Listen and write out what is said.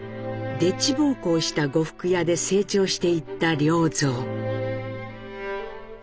でっち奉公した呉服屋で成長していった良三。